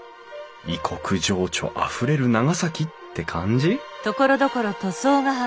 異国情緒あふれる長崎って感じ？